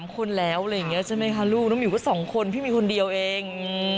๓คนแล้วลูกน้องมิวก็๒คนพี่มี๑คนเดียวเอง